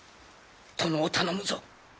殿を頼むぞ！